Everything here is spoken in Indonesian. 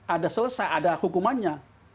ada selesai ada hukumannya